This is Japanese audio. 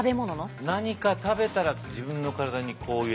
何か食べたら自分の体にこういう影響がある。